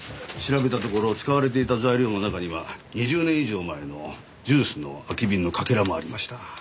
調べたところ使われていた材料の中には２０年以上前のジュースの空き瓶の欠片もありました。